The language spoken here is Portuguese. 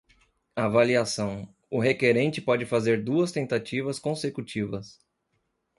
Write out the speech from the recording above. Avaliação: o requerente pode fazer duas tentativas consecutivas.